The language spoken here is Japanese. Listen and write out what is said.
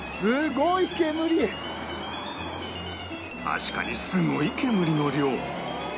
確かにすごい煙の量